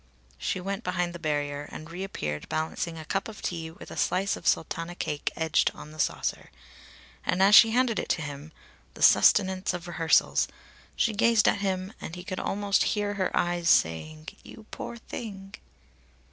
She went behind the barrier, and reappeared balancing a cup of tea with a slice of sultana cake edged on the saucer. And as she handed it to him the sustenance of rehearsals she gazed at him and he could almost hear her eyes saying: "You poor thing!"